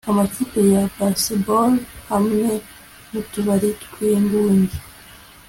Amakipe ya Baseball hamwe nutubari twinguge